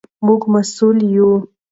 موږ مسوول یو.